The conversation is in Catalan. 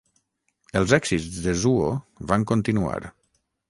Els èxits de Zuo van continuar.